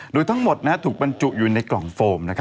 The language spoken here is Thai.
โดยทั้งหมดถูกปัญจุอยู่ในกล่องโฟมนะครับ